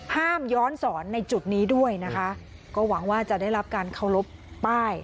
ห้ามย้อนสอนในจุดนี้ด้วยนะคะก็หวังว่าจะได้รับการเคารพป้าย